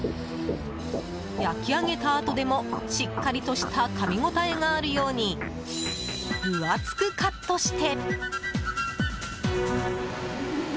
焼き上げたあとでもしっかりとしたかみ応えがあるように分厚くカットして。